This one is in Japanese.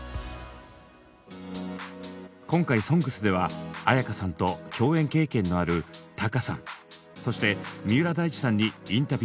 今回「ＳＯＮＧＳ」では絢香さんと共演経験のあるＴａｋａさんそして三浦大知さんにインタビューを敢行。